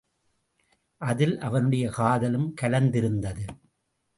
அதில் அவனுடைய காதலும் கலந்திருந்தது.